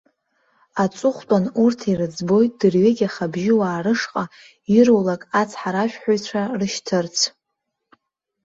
Аҵыхәтәан урҭ ирыӡбоит дырҩегьых абжьыуаа рышҟа ирулак ацҳаражәҳәаҩцәа рышьҭырц.